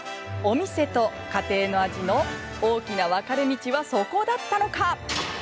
お店と家庭の味の大きな分かれ道はそこだったのか！